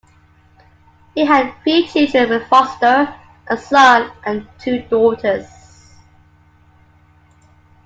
He had three children with Foster, a son and two daughters.